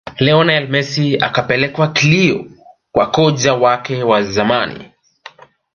lionel messi akapeleka kilio kwa kocha wake wa zamani